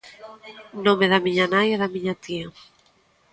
Nome da miña nai e da miña tía.